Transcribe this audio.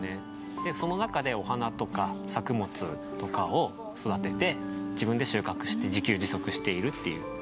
でその中でお花とか作物とかを育てて自分で収穫して自給自足しているっていう。